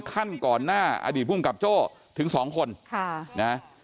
ขั้นก่อนหน้าอดีตภูมิกับเจ้าถึงสองคน